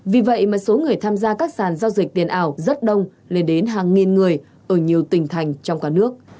vì vậy mà số người tham gia các sàn giao dịch tiền ảo rất đông lên đến hàng nghìn người ở nhiều tỉnh thành trong cả nước